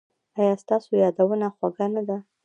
ایا ستاسو یادونه خوږه نه ده؟